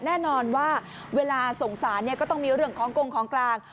แน่นอนว่าเวลาส่งสารก็ต้องมีเรื่องของกงของกลาง